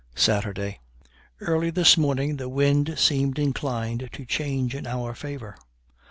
Saturday. Early this morning the wind seemed inclined to change in our favor.